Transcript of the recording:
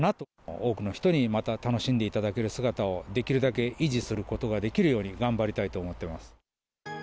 多くの人にまた楽しんでいただける姿を、できるだけ維持することができるように頑張りたいと思ってます。